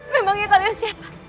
memangnya kalian siapa